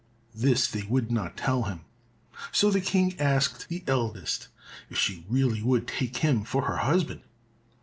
This they would not tell him, so the King asked the eldest if she really would take him for her husband?